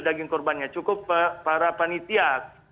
daging kurbannya cukup para panitia